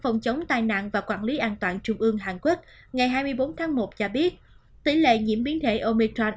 ubnd và quản lý an toàn trung ương hàn quốc ngày hai mươi bốn tháng một cho biết tỷ lệ nhiễm biến thể omicron